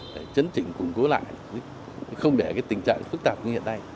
để chấn chỉnh củng cố lại không để tình trạng phức tạp như hiện nay